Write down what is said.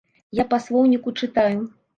Я па слоўніку чытаю.